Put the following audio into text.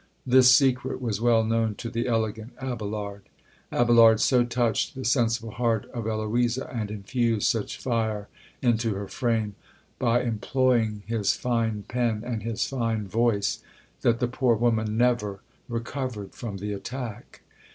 This secret was well known to the elegant Abelard. Abelard so touched the sensible heart of Eloisa, and infused such fire into her frame, by employing his fine pen, and his fine voice, that the poor woman never recovered from the attack.